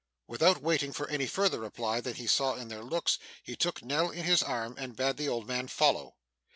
Without waiting for any further reply than he saw in their looks, he took Nell in his arms, and bade the old man follow.